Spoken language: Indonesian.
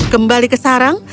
kembali ke sarang